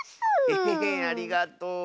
エヘヘありがとう。